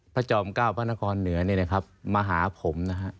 พระจอมก้าวพระนครเหนือมาหาผม